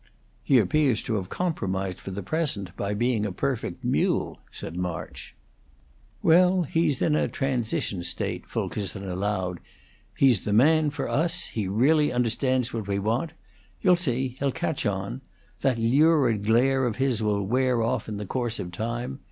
"He appears to have compromised for the present by being a perfect mule," said March. "Well, he's in a transition state," Fulkerson allowed. "He's the man for us. He really understands what we want. You'll see; he'll catch on. That lurid glare of his will wear off in the course of time.